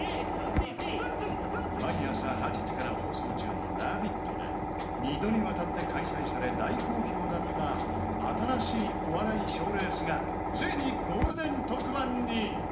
毎朝８時から放送中に「ラヴィット！」で２度にわたって開催され大好評だった新しいお笑い賞レースがついにゴールデン特番に。